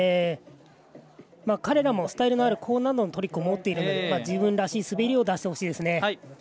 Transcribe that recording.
彼らもスタイルのある高難度のトリックを持っているので自分らしい滑りを出してほしいですね。